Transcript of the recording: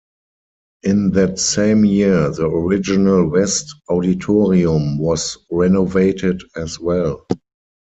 In that same year, the original west auditorium was renovated as well.